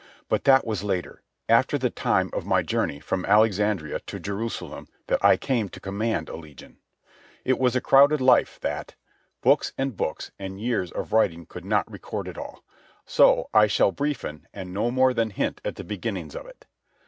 But that was later, after the time of my journey from Alexandria to Jerusalem, that I came to command a legion. It was a crowded life, that. Books and books, and years of writing could not record it all. So I shall briefen and no more than hint at the beginnings of it.